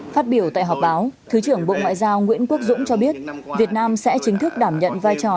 phát biểu tại họp báo thứ trưởng bộ ngoại giao nguyễn quốc dũng cho biết việt nam sẽ chính thức đảm nhận vai trò